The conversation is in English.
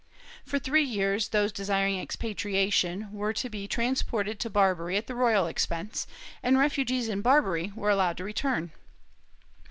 For three years, those desiring expatriation were to be trans ported to Barbary at the royal expense, and refugees in Barbary were allowed to return.